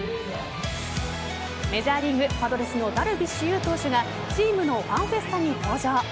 メジャーリーグパドレスのダルビッシュ有投手がチームのファンフェスタに登場。